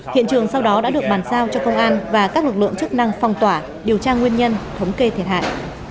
hiện trường sau đó đã được bàn giao cho công an và các lực lượng chức năng phong tỏa điều tra nguyên nhân thống kê thiệt hại